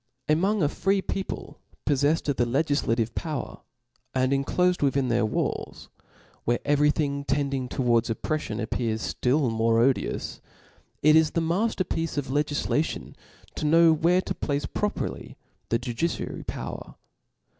Among a free people pofleffed oJF the legillativc power, and enclofcd within walls, where every thing tending towards oppreffiort appears ftill more odious, it is the mafter piece of legiflation to know where to place properly the judiciary power.